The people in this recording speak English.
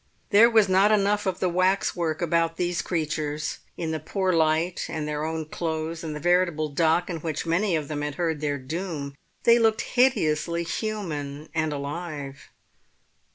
There was not enough of the waxwork about these creatures; in the poor light, and their own clothes, and the veritable dock in which many of them had heard their doom, they looked hideously human and alive.